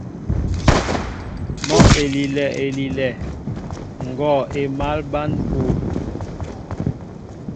Mɔ elilɛ elilɛ, ngɔɔ émal ɓăn kúw.